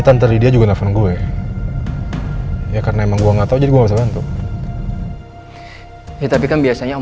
tan terlidia juga nelfon gue ya karena emang gua nggak tahu juga selalu ya tapi kan biasanya om